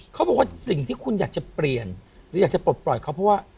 เขาบอกว่าสิ่งที่คุณอยากจะเปลี่ยนหรืออยากจะปลดปล่อยเขาเพราะว่า